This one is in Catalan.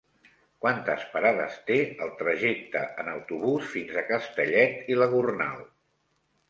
Quantes parades té el trajecte en autobús fins a Castellet i la Gornal?